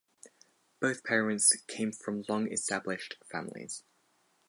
Both parents came from long established families.